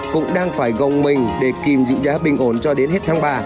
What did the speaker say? cũng đang phải gồng mình để kìm giữ giá bình ổn cho đến hết tháng ba